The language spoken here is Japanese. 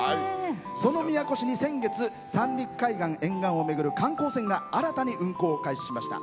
その宮古市に先月、三陸海岸沿岸を巡る観光船が新たに運航を開始しました。